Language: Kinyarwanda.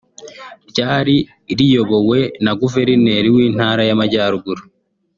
ryari riyobowe na Guverineri w’Intara y’Amajyaruguru